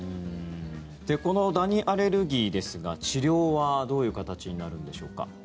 このダニアレルギーですが治療はどういう形になるんでしょうか？